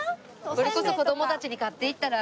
これこそ子どもたちに買っていったら？